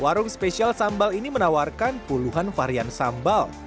warung spesial sambal ini menawarkan puluhan varian sambal